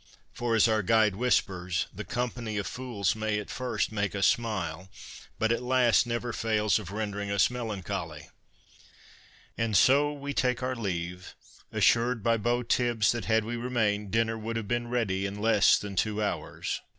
For, as our guide whispers, ' the company of fools may at first make us smile, but at last never fails of rendering us melancholy.' PERSONALITIES IN / BOOKLAND ' 65 And so we take our leave, assured by Beau Tibbs that had we remained, dinner would have been ready in less than two hours.